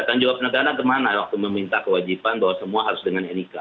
tanggung jawab negara kemana waktu meminta kewajiban bahwa semua harus dengan nik